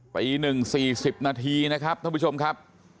ปี๑๔๐นาทีนะครับท่านผู้ชมครับ